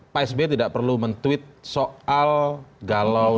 pak sby tidak perlu men tweet soal galau